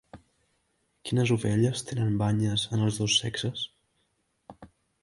Quines ovelles tenen banyes en els dos sexes?